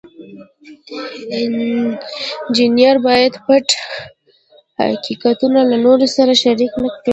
انجینر باید پټ حقیقتونه له نورو سره شریک نکړي.